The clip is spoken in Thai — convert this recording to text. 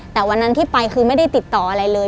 แต่วันนั้นที่ไปคือไม่ได้ติดต่ออะไรเลย